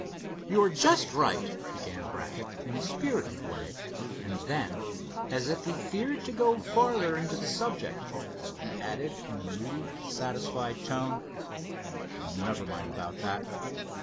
"You're just right," began Brackett, in a spirited way, and then, as if he feared to go farther into the subject, he added in a moody, dissatisfied tone: "Never mind about that.